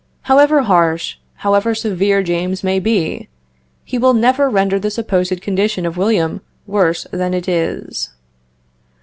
However harsh, however severe James may be, he will never render the supposed condition of William worse than it is.